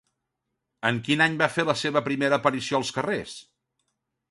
En quin any va fer la seva primera aparició als carrers?